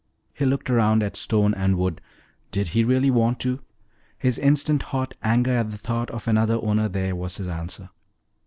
He looked around at stone and wood. Did he really want to? His instant hot anger at the thought of another owner there was his answer.